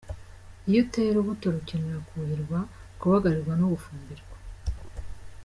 Iyo uteye urubuto rukenera kuhirwa, kubagarirwa no gufumbirwa.